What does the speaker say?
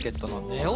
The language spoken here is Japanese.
ネオ